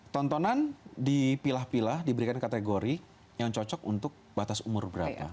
tontonan dipilah pilah diberikan kategori yang cocok untuk batas umur berapa